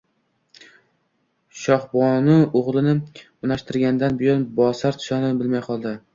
Shohbonu o`g`lini unashtirgandan buyon bosar-tusarini bilmay qoldi